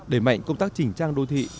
để mạnh công tác chỉnh trang đô thị